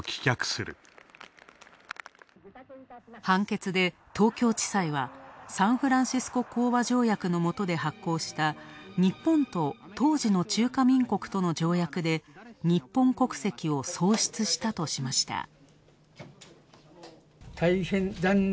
判決で東京地裁は、サンフランシスコ講和条約のもとで発効した日本と当時の中華民国との条約で日本国籍を喪失したとしました。